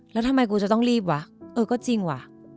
แล้วทำไมกูจะต้องรีบวะเออก็จริงว่ะ